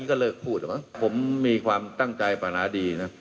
ก็เลิกพูดผมมีความตั้งใจปรานาดีนะ